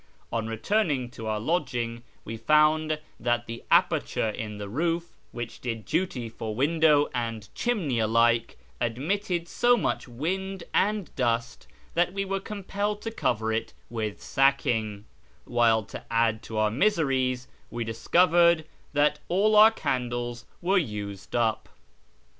On returning to our lodging we found that the aperture in the roof which did duty for window and chimney alike admitted so much wind and dust that we were compelled to cover it with sacking ; while to add to our miseries we discovered that all our candles were used up.